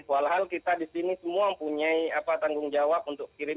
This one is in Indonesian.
walham kita di sini semua mempunyai tanggung jawab untuk kirim